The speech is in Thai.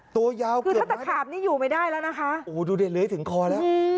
ตัวยาวเกือบคือถ้าตักขาบนี้อยู่ไม่ได้แล้วนะคะโอ้โหดูเดินเลยถึงคอแล้ว